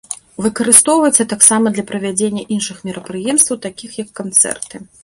Выкарыстоўваецца таксама для правядзення іншых мерапрыемстваў, такіх як канцэрты.